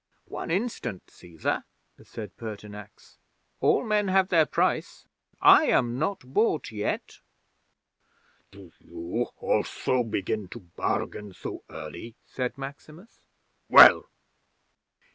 '"One instant, Cæsar," said Pertinax. "All men have their price. I am not bought yet." '"Do you also begin to bargain so early?" said Maximus. "Well?"